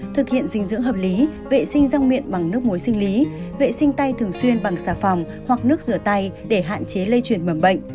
thực hiện dinh dưỡng hợp lý vệ sinh răng miệng bằng nước muối sinh lý vệ sinh tay thường xuyên bằng xà phòng hoặc nước rửa tay để hạn chế lây chuyển mầm bệnh